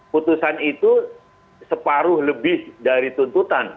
putusan itu separuh lebih dari tuntutan